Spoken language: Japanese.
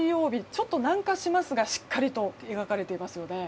ちょっと南下しますがしっかりと描かれていますよね。